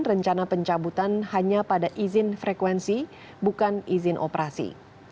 rencana pencabutan hanya pada izin frekuensi bukan izin operasi